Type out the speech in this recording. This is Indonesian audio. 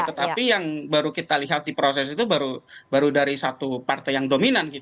tetapi yang baru kita lihat di proses itu baru dari satu partai yang dominan